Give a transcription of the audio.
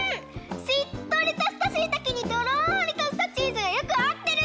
しっとりとしたしいたけにとろりとしたチーズがよくあってる！